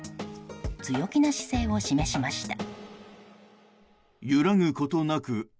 強気な姿勢を示しました。